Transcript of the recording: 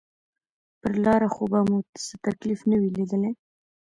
پر لاره خو به مو څه تکليف نه وي ليدلى.